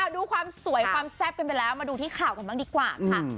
ดูความสวยความแซ่บกันไปแล้วมาดูที่ข่าวกันบ้างดีกว่าค่ะ